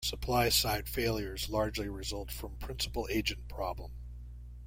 Supply-side failures largely result from principal-agent problem.